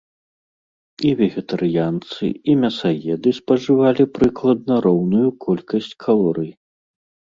І вегетарыянцы, і мясаеды спажывалі прыкладна роўную колькасць калорый.